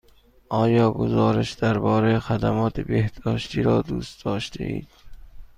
آیا گزارش درباره خدمات بهداشتی را دوست داشتید؟